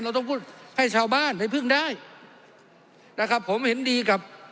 เราต้องพูดให้ชาวบ้านให้พึ่งได้นะครับผมเห็นดีกับ